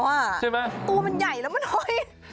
ใช่ไหมตัวมันใหญ่แล้วมันห้อย